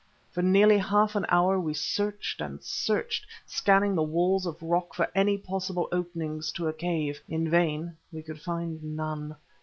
For nearly half an hour we searched and searched, scanning the walls of rock for any possible openings to a cave. In vain, we could find none.